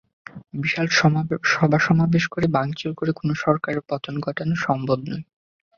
বিশাল সভা-সমাবেশ করে, ভাঙচুর করে, কোনো সরকারের পতন ঘটানো সম্ভব নয়।